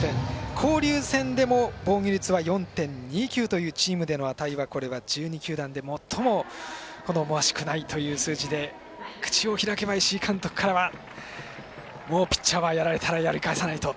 交流戦でも、防御率は４．２９というチームでの値はこれは１２球団で最も好ましくないという数字で口を開けば石井監督からはもうピッチャーはやられたらやり返さないと。